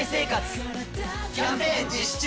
キャンペーン実施中！